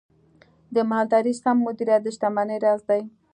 د مالدارۍ سم مدیریت د شتمنۍ راز دی.